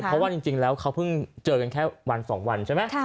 เพราะว่าจริงแล้วเขาเพิ่งเจอกันแค่วัน๒วันใช่ไหม